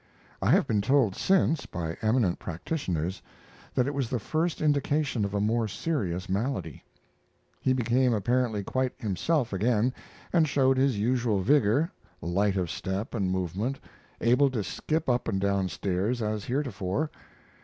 I have been told since, by eminent practitioners, that it was the first indication of a more serious malady. He became apparently quite himself again and showed his usual vigor light of step and movement, able to skip up and down stairs as heretofore.